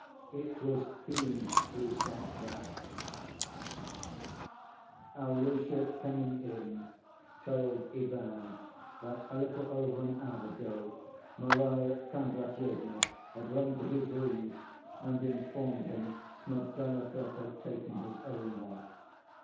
"It Was He Who Said That" Alyosha coming in told Ivan that a little over an hour ago Marya Kondratyevna had run to his rooms and informed him Smerdyakov had taken his own life.